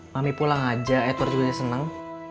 mami pulang aja edward juga senang